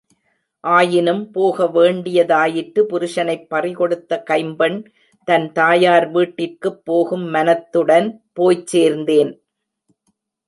ஆயினும் போக வேண்டியதாயிற்று புருஷனைப் பறிகொடுத்த கைம்பெண், தன் தாயார் வீட்டிற்குப் போகும் மனத்துடன் போய்ச் சேர்ந்தேன்!